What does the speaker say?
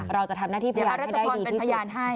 เราจะทำหน้าที่พยานให้ได้ดีที่สุด